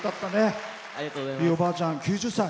ひいおばあちゃん９０歳。